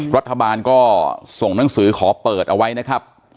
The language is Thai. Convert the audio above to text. รัฐบาลก็ส่งหนังสือขอเปิดเอาไว้นะครับ